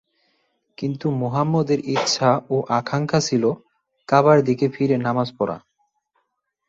কিন্তু মুহাম্মাদের ইচ্ছা ও আকাঙ্ক্ষা ছিল কাবার দিকে ফিরে নামায পড়া।